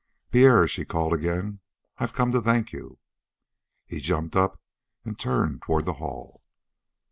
"Pierre!" she called again. "I've come to thank you." He jumped up and turned toward the hall.